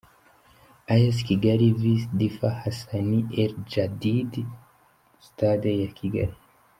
A S Kigali vs Difaâ Hassani El Jadidi –Sitade ya Kigali .